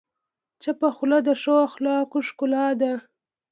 چپه خوله، د ښه اخلاقو ښکلا ده.